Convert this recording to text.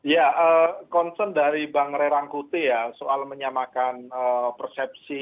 ya concern dari bang ray rangkuti ya soal menyamakan persepsi